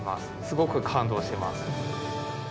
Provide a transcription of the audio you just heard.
すごく感動しています。